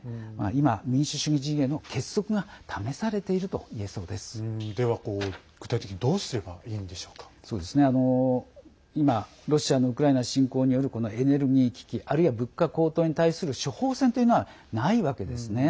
今、民主主義陣営の結束がでは、具体的に今、ロシアのウクライナ侵攻によるエネルギー危機あるいは物価高騰に対する処方箋というのはないわけですね。